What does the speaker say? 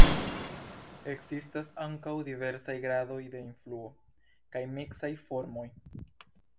Ekzistas ankaŭ diversaj gradoj de influo kaj miksaj formoj.